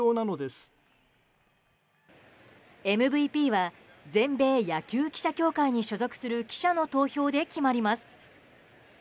ＭＶＰは全米野球記者協会に所属する記者の投票で決まります。